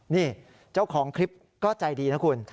นี่เจ้าของคลิปก็ใจดีนะคุณ